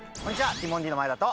ティモンディの前田と。